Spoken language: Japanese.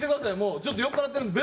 ちょっと酔っ払ってるんで。